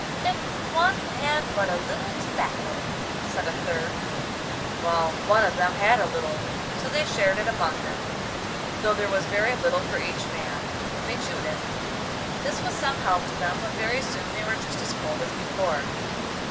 'If one had but a little tobacco,' said a third. Well, one of them had a little, so they shared it among them, though there was very little for each man, but they chewed it. This was some help to them, but very soon they were just as cold as before.